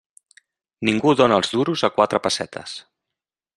Ningú dóna els duros a quatre pessetes.